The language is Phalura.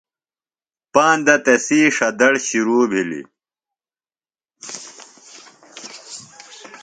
پاندہ تسی ݜدڑ شِرو بِھلیۡ۔